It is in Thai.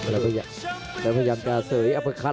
แล้วพยังจะเสยรีอะเฟเฟอร์คัท